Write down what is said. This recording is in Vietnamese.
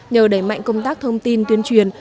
nhờ đẩy mạnh công tác thông tin tuyên truyền